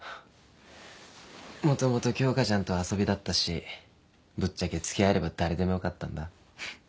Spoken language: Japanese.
もともと京花ちゃんとは遊びだったしぶっちゃけ付き合えれば誰でもよかったんだ。